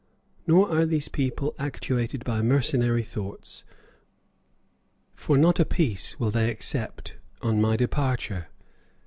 Nor are these people actuated by mercenary thoughts, for not a pice will they accept on my departure.